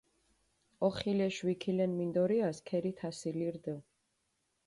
ოხილეშ ვიქილენ მინდორიას ქერი თასილი რდჷ.